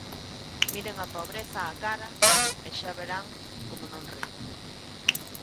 Miren a pobreza á cara e xa verán como non rin.